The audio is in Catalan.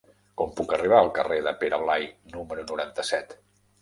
Com puc arribar al carrer de Pere Blai número noranta-set?